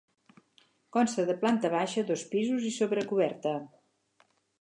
Consta de planta baixa, dos pisos i sobrecoberta.